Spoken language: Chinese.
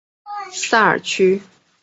萨尔屈。